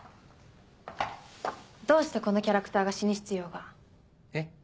どうしてこのキャラクターが死ぬ必要が？えっ？